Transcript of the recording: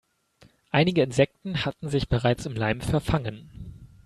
Einige Insekten hatten sich bereits im Leim verfangen.